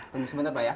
tunggu sebentar pak ya